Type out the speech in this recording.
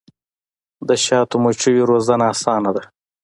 د شاتو مچیو روزنه اسانه ده؟